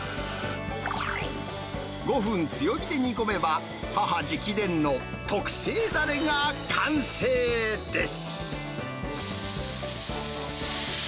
５分強火で煮込めば、母直伝の特製だれが完成です。